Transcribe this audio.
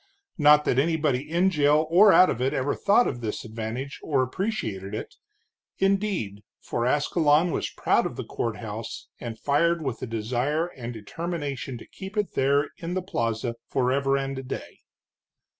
Not that anybody in jail or out of it ever thought of this advantage, or appreciated it, indeed, for Ascalon was proud of the courthouse, and fired with a desire and determination to keep it there in the plaza forever and a day.